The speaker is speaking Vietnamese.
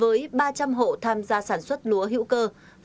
với ba trăm linh hộ tham gia sản xuất lúa hữu cơ